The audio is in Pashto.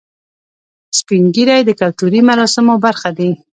سپین ږیری د کلتوري مراسمو برخه دي